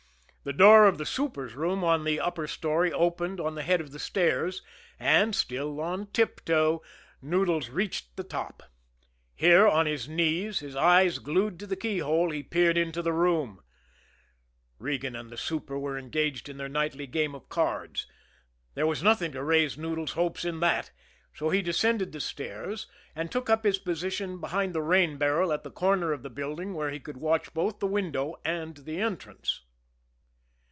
The door of the super's room on the upper story opened on the head of the stairs and, still on tiptoe, Noodles reached the top. Here, on his knees, his eyes glued to the keyhole, he peered into the room Regan and the super were engaged in their nightly game of cards. There was nothing to raise Noodles' hopes in that, so he descended the stairs and took up his position behind the rain barrel at the corner of the building, where he could watch both the window and the entrance.